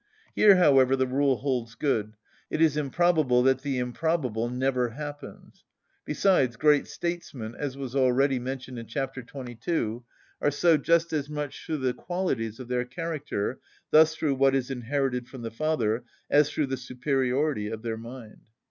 Here, however, the rule holds good: it is improbable that the improbable never happens. Besides, great statesmen (as was already mentioned in chapter 22) are so just as much through the qualities of their character, thus through what is inherited from the father, as through the superiority of their mind.